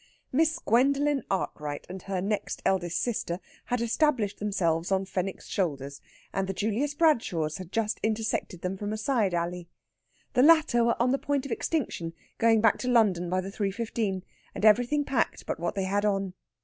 Miss Gwendolen Arkwright and her next eldest sister had established themselves on Fenwick's shoulders, and the Julius Bradshaws had just intersected them from a side alley. The latter were on the point of extinction; going back to London by the 3.15, and everything packed but what they had on.